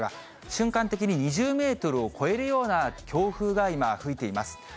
瞬間的に２０メートルを超えるような強風が今、吹いています。